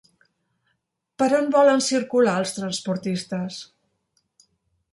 Per on volen circular els transportistes?